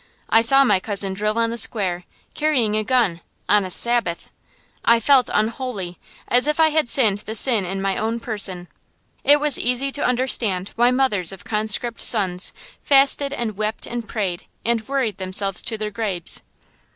I saw my cousin drill on the square, carrying a gun, on a Sabbath. I felt unholy, as if I had sinned the sin in my own person. It was easy to understand why mothers of conscript sons fasted and wept and prayed and worried themselves to their graves.